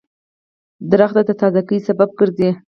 • ونه د تازهګۍ سبب ګرځي.